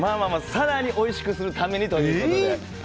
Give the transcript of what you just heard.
更においしくするためにということで。